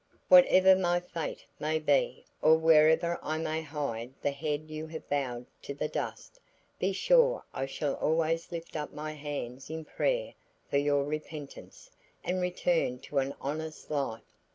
Whatever my fate may be or wherever I may hide the head you have bowed to the dust, be sure I shall always lift up my hands in prayer for your repentance and return to an honest life.